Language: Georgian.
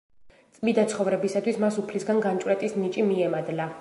წმიდა ცხოვრებისათვის მას უფლისგან განჭვრეტის ნიჭი მიემადლა.